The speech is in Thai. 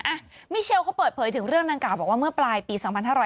อ่ะมิเชลเขาเปิดเผยถึงเรื่องดังกล่าวบอกว่าเมื่อปลายปี๒๕๕๙